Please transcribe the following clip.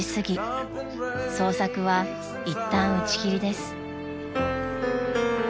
［捜索はいったん打ち切りです］